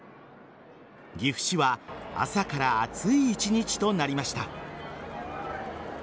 岐阜市は朝から熱い１日となりました。